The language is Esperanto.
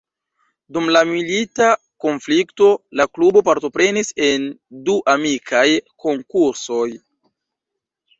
Dum la milita konflikto, la klubo partoprenis en du amikaj konkursoj.